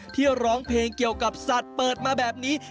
ที่ร้องเพลงเกี่ยวกับสัตว์เปิดมาแบบนี้